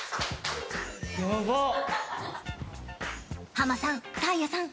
ハマさん、サーヤさん